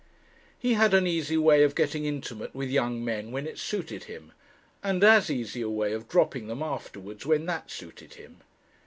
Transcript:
He had an easy way of getting intimate with young men when it suited him, and as easy a way of dropping them afterwards when that suited him.